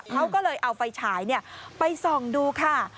เขาก็เลยเอาไฟฉายไปส่องดูค่ะ